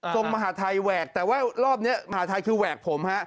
มหาทัยแหวกแต่ว่ารอบนี้มหาทัยคือแหวกผมฮะ